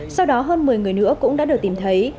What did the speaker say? sau đó hơn một mươi người nữa cũng đã được tìm thấy